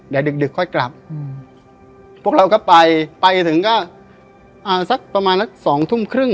เดี๋ยวดึกค่อยกลับพวกเราก็ไปไปถึงก็สักประมาณสักสองทุ่มครึ่ง